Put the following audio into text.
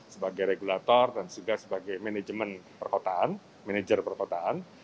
sebagai regulator dan juga sebagai manajemen perkotaan